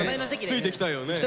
ねついていきたいよね。